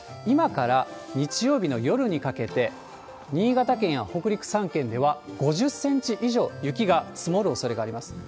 今から日曜日の夜にかけて、新潟県や北陸３県では５０センチ以上雪が積もるおそれがあります。